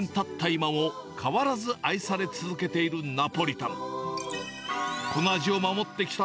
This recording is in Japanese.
今も変わらず愛され続けているナポリタン。